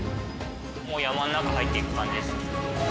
もう山の中入っていく感じです。